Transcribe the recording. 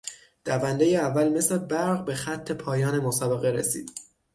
دوندهی اول مثل برق به خط پایان مسابقه رسید.